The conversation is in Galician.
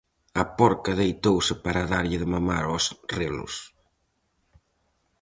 A porca deitouse para darlle de mamar aos relos.